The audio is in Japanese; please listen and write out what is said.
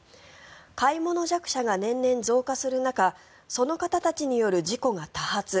買い物弱者が年々増加する中その方たちによる事故が多発。